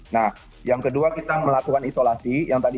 nah yang kedua kita melakukan isolasi